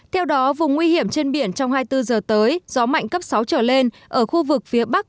theo đó vùng nguy hiểm trên biển trong hai mươi bốn giờ tới gió mạnh cấp sáu trở lên ở khu vực phía bắc